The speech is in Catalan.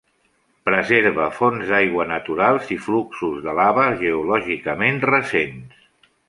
Preserva fonts d'aigua naturals i fluxos de lava geològicament recents.